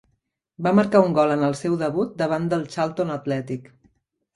Va marcar un gol en el seu debut davant del Charlton Athletic.